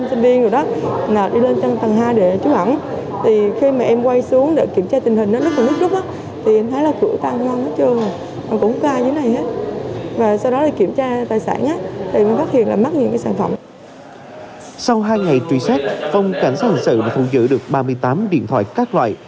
sau hai ngày truy xét phòng cảnh sát hình sự đã thu giữ được ba mươi tám điện thoại các loại